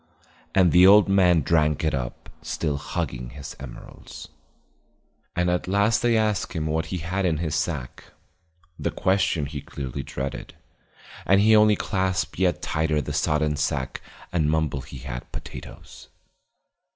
And the old man drank it up, still hugging his emeralds. And at last they asked him what he had in his sack, the question he clearly dreaded; and he only clasped yet tighter the sodden sack and mumbled he had potatoes.